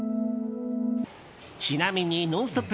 ちなみに「ノンストップ！」